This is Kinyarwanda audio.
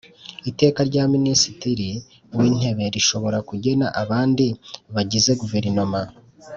Iteka rya Minisitiri w Intebe rishobora kugena abandi bagize guverinoma